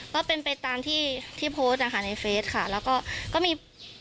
ก็เป็นไปตามที่ที่โพสต์นะคะในเฟสค่ะแล้วก็ก็มี